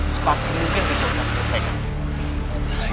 sepatutnya bisa saya selesaikan